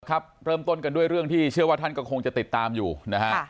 ครับเริ่มต้นกันด้วยเรื่องที่เชื่อว่าท่านก็คงจะติดตามอยู่นะฮะ